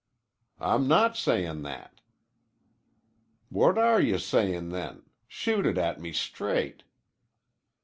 "I'm not sayin' that." "What are you sayin', then? Shoot it at me straight."